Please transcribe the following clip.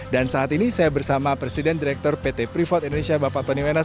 dan saat ini saya bersama presiden direktur pt freeport indonesia bapak tony menas